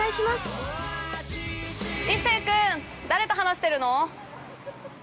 ◆一世君、誰と話してるの。